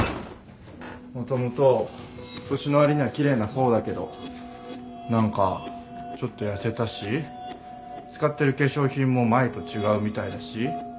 もともと年のわりには奇麗な方だけど何かちょっと痩せたし使ってる化粧品も前と違うみたいだし。